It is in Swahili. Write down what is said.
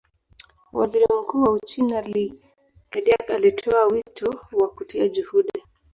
Waziri Mkuu wa Uchina Li Keqiang alitoa wito wa kutia juhudi